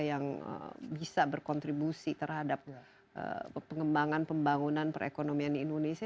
yang bisa berkontribusi terhadap pengembangan pembangunan perekonomian di indonesia